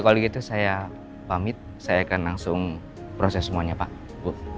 kalau gitu saya pamit saya akan langsung proses semuanya pak